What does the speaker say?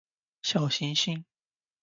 小行星